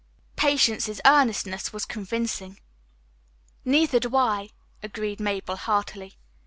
Patience's earnestness was convincing. "Neither do I," agreed Mabel heartily.